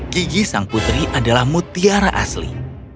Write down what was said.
gigi sang putri adalah mutiara asli